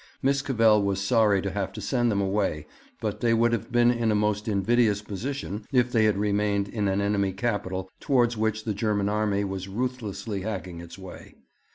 Miss Cavell was sorry to have to send them away, but they would have been in a most invidious position if they had remained in an enemy capital towards which the German army was ruthlessly hacking its way.